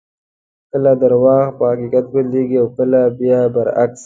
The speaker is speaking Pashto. کله درواغ په حقیقت بدلېږي او کله بیا برعکس.